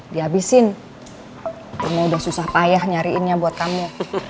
di abisin gue udah susah payah nyariinnya buat kamu